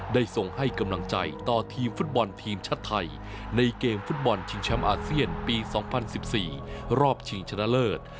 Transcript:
ส่งให้กำลังใจต่อทีมฟุตบอลทีมชาติไทยในเกมฟุตบอลชิงแชมป์อาเซียนปี๒๐๑๔รอบชิงชนะเลิศ